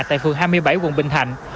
tại phường hai mươi bảy quận bình thạnh